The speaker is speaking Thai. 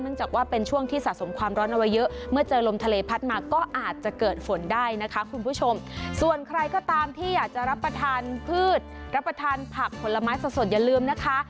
จากว่าเป็นช่วงที่สะสมความร้อนเอาไว้เยอะเมื่อเจอลมทะเลพัดมาก็อาจจะเกิดฝนได้นะคะคุณผู้ชมส่วนใครก็ตามที่อยากจะรับประทานพืชรับประทานผักผลไม้สดสดอย่าลืมนะคะ